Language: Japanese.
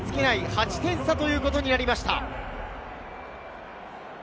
８点差ということになりました。